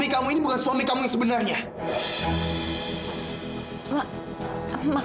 kamu udah bisa membedainya kan